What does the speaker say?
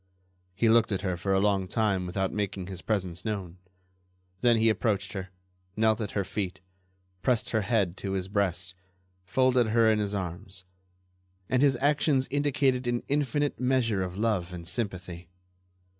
He looked at her for a long time without making his presence known; then he approached her, knelt at her feet, pressed her head to his breast, folded her in his arms, and his actions indicated an infinite measure of love and sympathy.